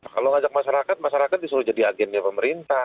kalau ngajak masyarakat masyarakat disuruh jadi agennya pemerintah